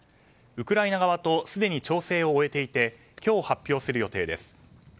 ウクライナ側とすでに調整を終えていて今日発表する予定です。